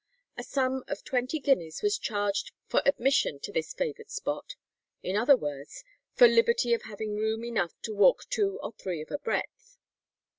A sum of twenty guineas was charged for admission to this favoured spot; in other words, "for liberty of having room enough to walk two or three of a breadth."